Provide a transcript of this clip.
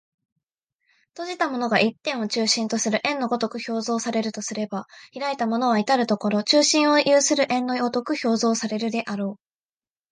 閉じたものが一点を中心とする円の如く表象されるとすれば、開いたものは到る処中心を有する円の如く表象されるであろう。